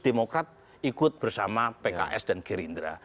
demokrat ikut bersama pks dan gerindra